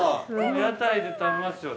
◆屋台で食べますよね。